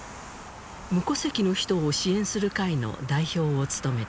無戸籍の人を支援する会の代表を務めています。